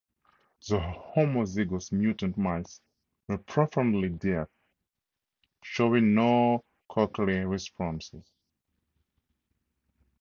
The homozygous mutant mice were profoundly deaf, showing no cochlear responses.